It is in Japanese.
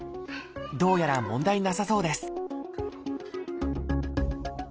どうやら問題なさそうです